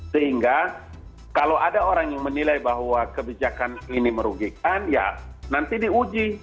sehingga kalau ada orang yang menilai bahwa kebijakan ini merugikan ya nanti diuji